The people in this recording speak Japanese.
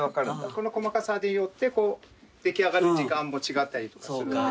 この細かさによって出来上がる時間も違ったりとかするんで。